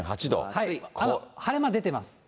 晴れ間出てます。